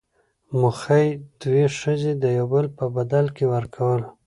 موخۍ، دوې ښځي يو دبل په بدل کي ورکول.